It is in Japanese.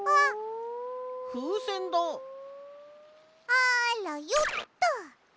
あらよっと！